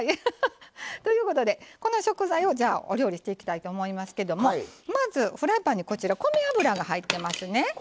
ということで、この食材をお料理していきたいと思いますけどもフライパンに米油が入ってますね。